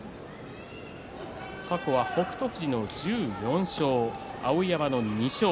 過去は北勝富士の１４勝碧山の２勝。